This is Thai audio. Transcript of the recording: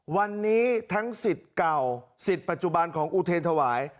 วันนี้ทั้งสิทธิ์เก่าสิทธิ์ปัจจุบันของอุเทรนธวาย